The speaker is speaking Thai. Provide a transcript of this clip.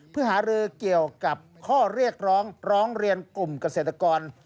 เพื่อหารือเกี่ยวกับข้อเรียกร้องร้องเรียนกลุ่มเกษตรกร